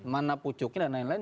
mana pucuknya dan lain lain